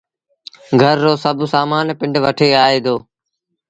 گھر رو سڀ سامآݩ پنڊ وٺي آئي دو